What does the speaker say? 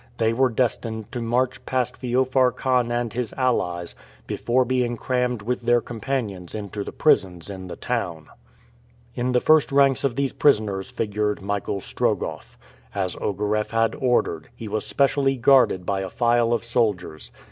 They were destined to march past Feofar Khan and his allies before being crammed with their companions into the prisons in the town. In the first ranks of these prisoners figured Michael Strogoff. As Ogareff had ordered, he was specially guarded by a file of soldiers.